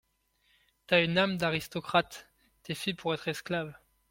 T’as une âme d’aristocrate, t’es fait pour être esclave.